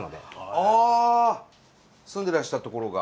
ああ住んでらしたところが。